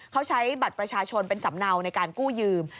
เขาใช้บัตรประชาชนเป็นสำเนาในการกู้ยืม